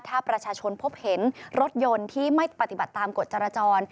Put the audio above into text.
ถ้าประชาชนพบเห็นรถยนต์ที่ไม่ปฏิบัติตามกฎจราจร